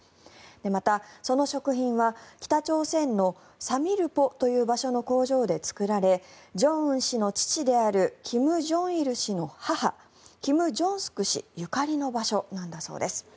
また、その食品は北朝鮮の三日浦という場所の工場で作られ正恩氏の父である金正日氏の母キム・ジョンスク氏ゆかりの場所なんだそうです。